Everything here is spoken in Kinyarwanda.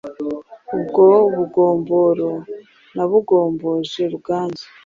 Ubwo bugomboro nabugomboje Ruganzu,